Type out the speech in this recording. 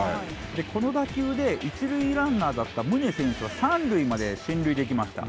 この打球で一塁ランナーだった宗選手は三塁まで進塁できました。